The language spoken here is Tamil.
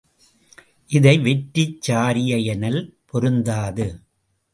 இதை வெற்றுச் சாரியை எனல் பொருந்தாது.